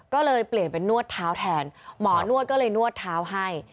ก็เลยเปลี่ยนเป็นนวดเท้าแทนหมอนวดก็เลยนวดเท้าให้